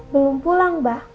belum pulang mbak